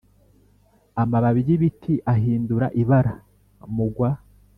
amababi yibiti ahindura ibara mugwa.